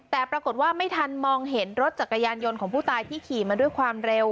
แต่ปรากฏว่าไม่ทันมองเห็นรถจักรยานยนต์ของผู้ตายที่ขี่มาด้วยความเร็ว